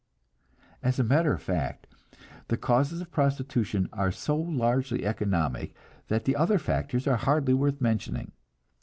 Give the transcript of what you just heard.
As a matter of fact, the causes of prostitution are so largely economic that the other factors are hardly worth mentioning.